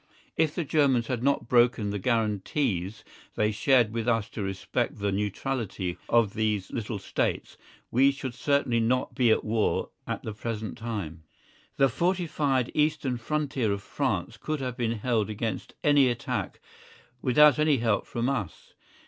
If the Germans had not broken the guarantees they shared with us to respect the neutrality of these little States we should certainly not be at war at the present time. The fortified eastern frontier of France could have been held against any attack without any help from us.